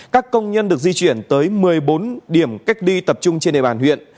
các công nhân được di chuyển tới một mươi bốn điểm cách ly tập trung trên địa bàn huyện